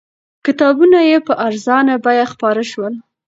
کتابونه یې په ارزانه بیه خپاره شول.